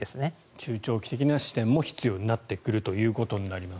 中長期的な視点も必要になってくるということになります。